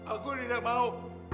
aku tidak mau